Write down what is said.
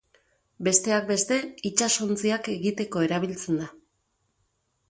Besteak beste, itsasontziak egiteko erabiltzen da.